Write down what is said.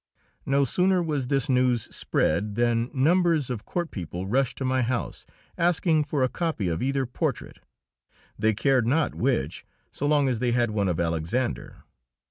No sooner was this news spread than numbers of court people rushed to my house, asking for a copy of either portrait, they cared not which, so long as they had one of Alexander.